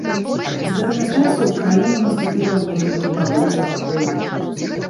З гэтага часу ў краіне наступіла некалькі гадоў спакою.